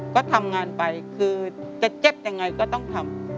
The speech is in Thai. ก็ทำงานไปคือจะเจ็บยังไงก็ต้องทำ